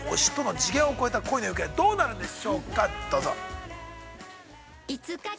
◆次元を超えた恋の行方、どうなるんでしょうか、どうぞ。